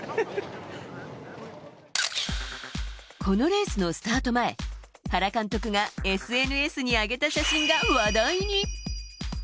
このレースのスタート前原監督がＳＮＳに上げた写真が話題に。